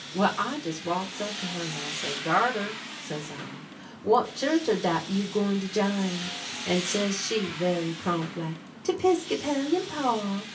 Well, I jes' walks up to her, and I says: "Darter," says I, "what chu'ch are dat you say you gwine to jine?" And says she, very prompt like: "De 'Pisclopian, pa."